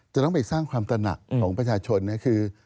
จะต้องไปสร้างความตระหนักของประชาชนนะคือ